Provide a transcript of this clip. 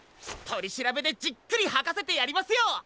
とりしらべでじっくりはかせてやりますよ！